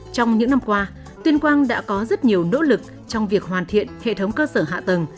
trong những năm qua tuyên quang đã có rất nhiều nỗ lực trong việc hoàn thiện hệ thống cơ sở hạ tầng